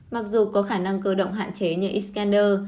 mặc dù có khả năng cơ động hạn chế như scanner